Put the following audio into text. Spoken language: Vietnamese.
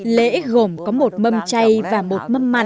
lễ gồm có một mâm chay và một mâm mặn